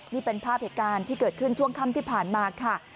นี่เป็นภาพเหตุการณ์ที่เกิดขึ้นช่วงค่ำที่ผ่านมาค่ะ